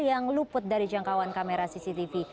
yang luput dari jangkauan kamera cctv